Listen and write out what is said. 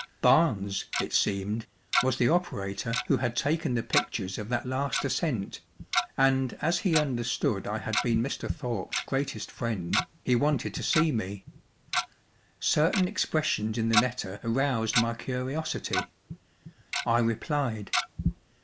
Barnes, it seemed, was the operator who had taken the pictures of that last ascent, and as he understood I had been Mr. Thorpe's greatest friend, he wanted to see me. Certain expressions in the letter aroused my curiosity. I replied.